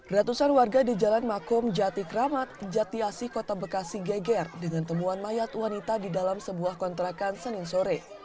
ratusan warga di jalan makom jati kramat jatiasi kota bekasi geger dengan temuan mayat wanita di dalam sebuah kontrakan senin sore